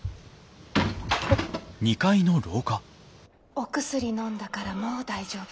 ・お薬のんだからもう大丈夫。